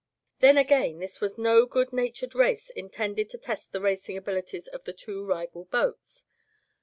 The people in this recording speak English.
Then again, this was no good natured race intended to test the racing abilities of the two rival boats.